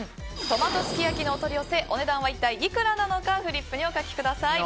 トマトすき焼きのお取り寄せお値段は一体いくらなのかフリップにお書きください。